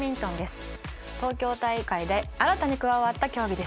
東京大会で新たに加わった競技です。